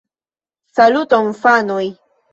Saluton fanoj